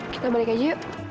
kita balik aja yuk